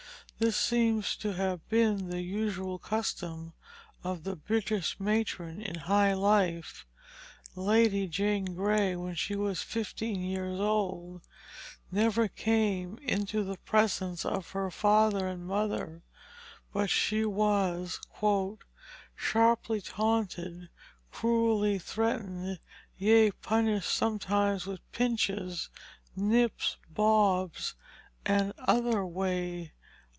This seems to have been the usual custom of the British matron in high life. Lady Jane Grey, when she was fifteen years old, never came into the presence of her father and mother but she was "sharply taunted, cruelly threatened, yea, punished sometimes with pinches, nips, bobs, and other way."